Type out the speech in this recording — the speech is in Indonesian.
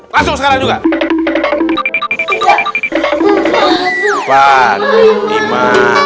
langsung sekarang juga